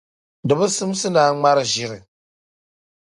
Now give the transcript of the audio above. Di bi simdi ni a ŋmari ʒiri